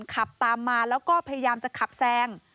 ขับตามมาแล้วก็พยายามจะขับแซง